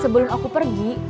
sebelum aku pergi